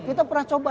kita pernah coba